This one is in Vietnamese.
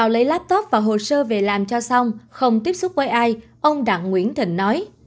nếu thầy nam cho xong không tiếp xúc quay ai ông đặng nguyễn thịnh nói